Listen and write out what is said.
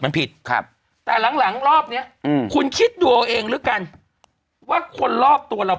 มันผิดครับแต่หลังหลังรอบเนี้ยอืมคุณคิดดูเอาเองแล้วกันว่าคนรอบตัวเรา